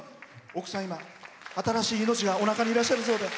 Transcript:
奥さん、新しい命がおなかにいらっしゃるそうで。